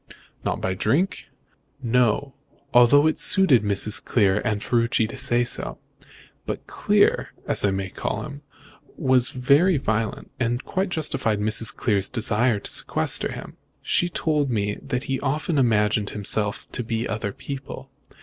"Not by drink?" "No; although it suited Mrs. Clear and Ferruci to say so. But Clear, as I may call him, was very violent, and quite justified Mrs. Clear's desire to sequester him. She told me that he often imagined himself to be other people.